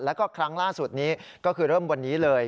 แล้วก็ครั้งล่าสุดนี้ก็คือเริ่มวันนี้เลย